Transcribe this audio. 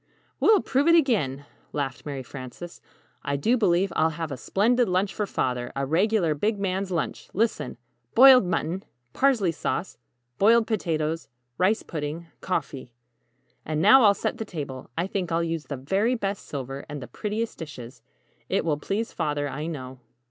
'" "We'll prove it again," laughed Mary Frances. "I do believe I'll have a splendid lunch for Father a regular big man's lunch. Listen! Boiled Mutton Parsley Sauce Boiled Potatoes Rice Pudding Coffee [Illustration: "A splendid lunch for Father."] "And now I'll set the table! I think I'll use the very best silver, and the prettiest dishes it will please father, I know."